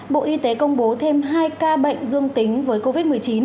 bộ y tế công bố thêm hai ca bệnh dương tính với covid một mươi chín